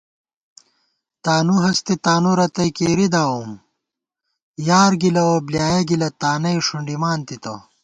تانُو ہستے تانُو رتئ کېری داؤم یار گِلہ اؤ بۡلیایَہ گِلہ تانئ ݭُنڈِمان تِتہ